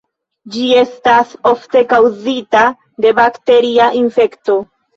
Ĝi estas ofte kaŭzita de bakteria infekto.